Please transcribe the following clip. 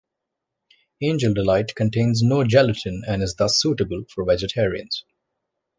Angel Delight contains no gelatin and is thus suitable for vegetarians.